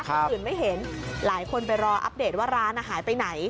คนอื่นไม่เห็นหลายคนไปรออัปเดตว่าร้านหายไปไหน